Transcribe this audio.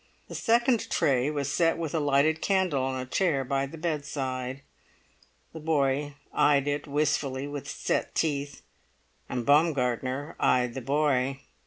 The second tray was set with a lighted candle on a chair by the bedside. The boy eyed it wistfully with set teeth, and Baumgartner eyed the boy.